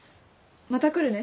また来るね。